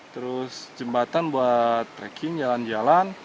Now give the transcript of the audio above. terus jembatan buat tracking jalan jalan